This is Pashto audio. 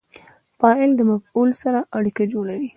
فاعل د مفعول سره اړیکه جوړوي.